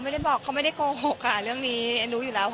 ไม่ได้บอกเขาไม่ได้โกหกค่ะเรื่องนี้รู้อยู่แล้ว